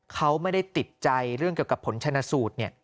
เขาไม่ได้ติดใจเรื่องเกี่ยวกับผลชนะสูตร